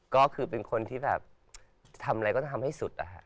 ก็คือเป็นคนที่แบบทำอะไรก็จะทำให้สุดนะฮะ